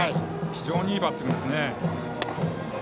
非常にいいバッティングです。